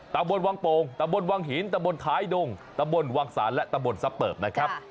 ตำบลวังโป่งตำบลวังหินตะบนท้ายดงตำบลวังศาลและตำบลซับเปิบนะครับ